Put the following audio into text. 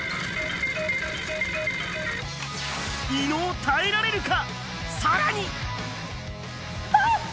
伊野尾、耐えられるか？